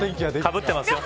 かぶってますよ。